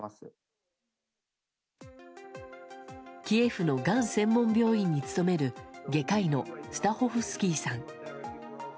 キエフのがん専門病院に勤める外科医のスタホフスキーさん。